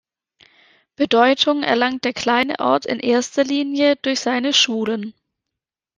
Bedeutung erlangt der kleine Ort in erster Linie durch seine Schulen.